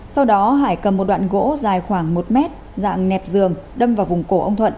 sau đó hải cầm một đoạn gỗ dài khoảng một mét dạng nẹp giường đâm vào vùng cổ ông thuận